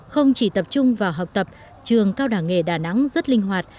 không chỉ tập trung vào học tập trường cao đảng nghề đà nẵng rất linh hoạt